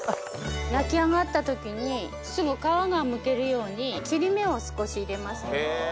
焼き上がった時にすぐ皮がむけるように切れ目を少し入れます。